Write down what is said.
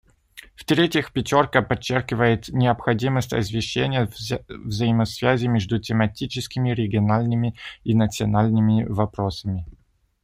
В-третьих, «пятерка» подчеркивает необходимость освещения взаимосвязи между тематическими, региональными и национальными вопросами.